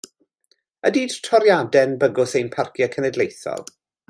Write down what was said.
Ydi toriadau'n bygwth ein Parciau Cenedlaethol?